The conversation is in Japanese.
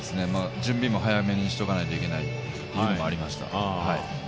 準備も早めにしておかないといけないというのもありました。